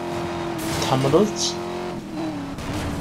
Tḥemmleḍ-tt?